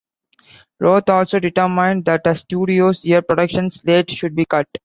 Roth also determined that the studio's year production slate should be cut.